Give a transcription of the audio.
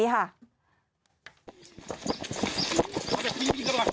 นิษฐานรถไป